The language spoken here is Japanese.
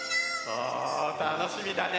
おたのしみだね！